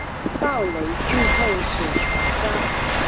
暴雷劇透死全家